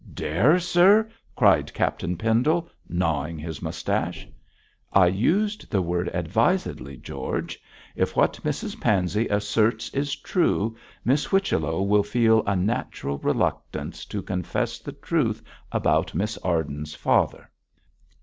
'Dare, sir!' cried Captain Pendle, gnawing his moustache. 'I used the word advisedly, George. If what Mrs Pansey asserts is true, Miss Whichello will feel a natural reluctance to confess the truth about Miss Arden's father.'